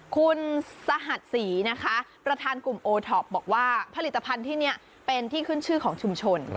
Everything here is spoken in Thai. คุณสหัสศรีนะคะประธานกลุ่มโอท็อปบอกว่าผลิตภัณฑ์ที่นี่เป็นที่ขึ้นชื่อของชุมชน